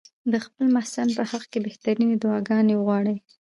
د خپل محسن په حق کې بهترینې دعاګانې وغواړي.